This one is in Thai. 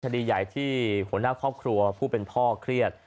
คดีใหญ่ที่หัวหน้าครอบครัวผู้เป็นพ่อเครียด